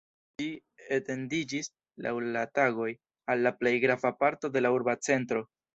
Ĝi etendiĝis, laŭ la tagoj, al la plej grava parto de la urba centro.